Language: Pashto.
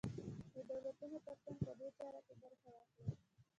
د دولتونو تر څنګ په دې چاره کې برخه واخلي.